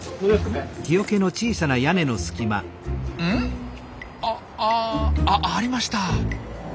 うん？ああありました！